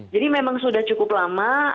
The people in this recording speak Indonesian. jadi memang sudah cukup lama